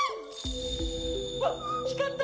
わっ光った！